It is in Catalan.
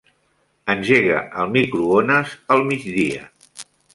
Engega el microones al migdia.